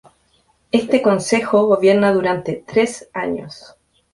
Este Consejo gobierna durante tres años.